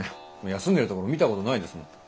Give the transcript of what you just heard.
休んでるとこ見たことないですもん。